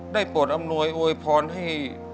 ได้ปวดอำนวยโวยพ้อนให้